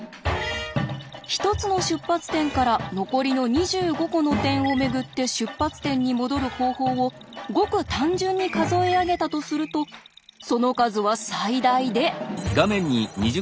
１つの出発点から残りの２５個の点を巡って出発点に戻る方法をごく単純に数え上げたとするとその数は最大で。